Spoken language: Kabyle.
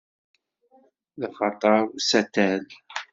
D axatar usatal.